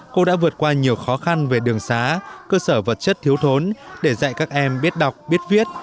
cô đã vượt qua nhiều khó khăn về đường xá cơ sở vật chất thiếu thốn để dạy các em biết đọc biết viết